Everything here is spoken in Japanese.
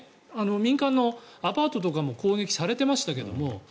民間のアパートとかも攻撃されてましたけど